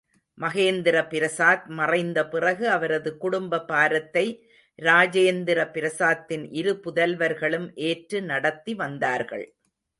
மகேந்திர பிரசாத் மறைந்த பிறகு அவரது குடும்ப பாரத்தை இராஜேந்திர பிரசாத்தின் இரு புதல்வர்களும் ஏற்று நடத்தி வந்தார்கள்.